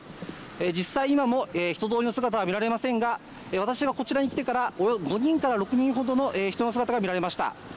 実際、今も人通りの姿は見られませんが私がこちらにきてから５人から６人ほどの人の姿が見られました。